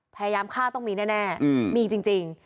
พยายามฆ่าต้องมีแน่มีจริง